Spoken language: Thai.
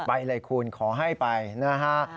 ไปเลยคุณขอให้ไปนะฮะ